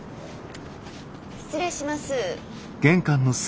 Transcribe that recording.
失礼します。